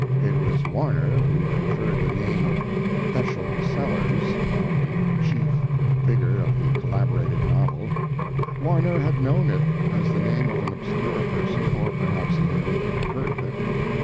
It was Warner who conferred the name of Eschol Sellers on the chief figure of the collaborated novel. Warner had known it as the name of an obscure person, or perhaps he had only heard of it.